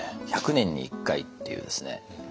１００年に１回っていうですね